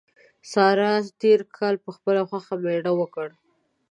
سارا تېر کال په خپله خوښه مېړه وکړ.